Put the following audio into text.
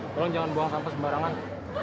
tolong jangan buang sampah sembarangan